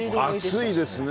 暑いですね。